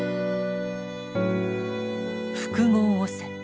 「複合汚染」。